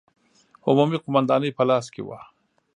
عمومي قومانداني په لاس کې وه.